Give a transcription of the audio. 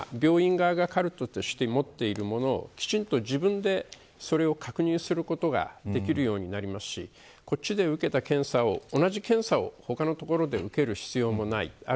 今、病院がカルテとして持っているものを自分で確認することができるようになりますしこっちで受けた検査を同じ検査を他の所で受ける必要もない。